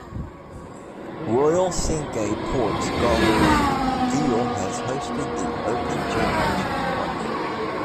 Royal Cinque Ports Golf Club, Deal has hosted The Open Championship twice.